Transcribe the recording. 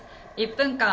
「１分間！